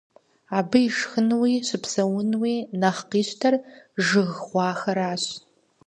Абы ишхынууи щыпсэунууи нэхъ къищтэр жыг гъуахэращ.